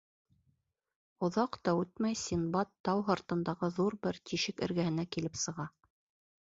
Оҙаҡ та үтмәй Синдбад тау һыртындағы ҙур бер тишек эргәһенә килеп сыға.